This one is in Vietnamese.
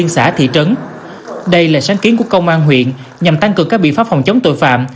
xã thị trấn đây là sáng kiến của công an huyện nhằm tăng cường các biện pháp phòng chống tội phạm